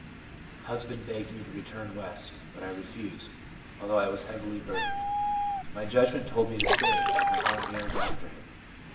Husband begged me to return West, but I refused, although I was heavily burdened. My judgment told me to stay, but my heart yearned after him.